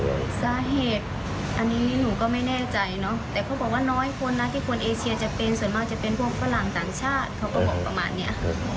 สาเหตุอันนี้หนูก็ไม่แน่ใจเนอะแต่เขาบอกว่าน้อยคนนะที่คนเอเชียจะเป็นส่วนมากจะเป็นพวกฝรั่งต่างชาติเขาก็บอกประมาณเนี้ย